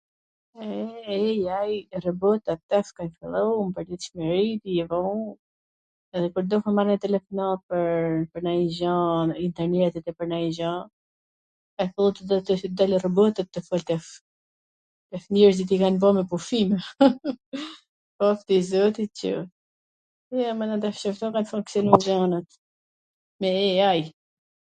e ei ai, robota, ato si kan fillu, pwrditshmwri jan vu edhe kur duhet me marr telefon pwr nanjw gjo, internetit pwr nanjw gjo, ka fillu roboti tu fol tash, tash njerzit i kan bo me pushime, www, po, lavdi zotit qo, jo, mana, tashi kshu kan funksionu xhanat, me ei ai.